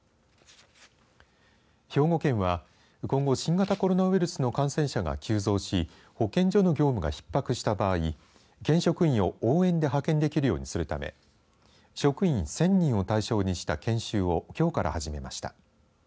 兵庫県は今後、新型コロナウイルスの感染者が急増し保健所の業務がひっ迫した場合県職員を応援で派遣できるようにするため職員１０００人を対象にした研修をきょうから始めました。